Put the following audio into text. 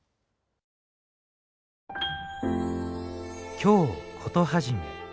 「京コトはじめ」。